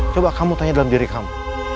coba kamu tanya dalam diri kamu